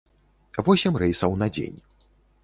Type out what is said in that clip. Восем рэйсаў на дзень.